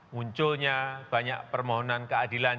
munculnya banyak permohonan keadilan